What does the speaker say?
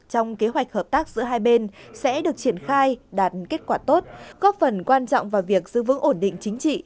trong kế hoạch hợp tác giữa hai bên sẽ được triển khai đạt kết quả tốt góp phần quan trọng vào việc giữ vững ổn định chính trị